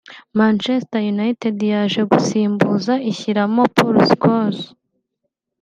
Manchester United yaje gusimbuza ishyiramo Paul Scholes